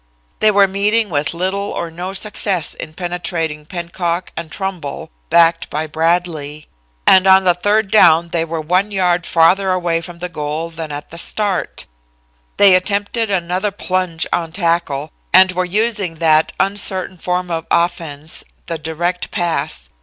They were meeting with little or no success in penetrating Pennock and Trumbull, backed by Bradlee. And on the third down they were one yard farther away from the goal than at the start. They attempted another plunge on tackle, and were using that uncertain form of offense, the direct pass.